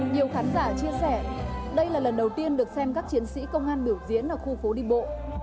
nhiều khán giả chia sẻ đây là lần đầu tiên được xem các chiến sĩ công an biểu diễn ở khu phố đi bộ